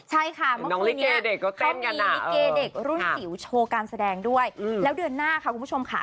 ใช่ค่ะเมื่อคุณเนี่ยเขามีนิเกเด็กรุ่นสิวโชว์การแสดงด้วยแล้วเดือนหน้าค่ะคุณผู้ชมค่ะ